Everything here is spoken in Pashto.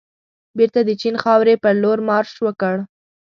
بېرته د چین خاورې پرلور مارش وکړ.